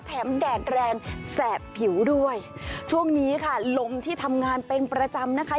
แดดแรงแสบผิวด้วยช่วงนี้ค่ะลมที่ทำงานเป็นประจำนะคะ